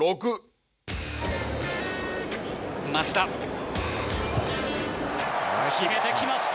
松田、決めてきました。